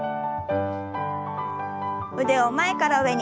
腕を前から上に。